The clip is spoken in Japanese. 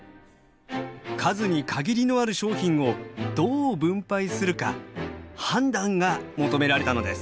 数に限りのある商品をどう分配するか判断が求められたのです。